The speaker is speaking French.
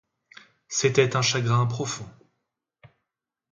C'était un chagrin profond.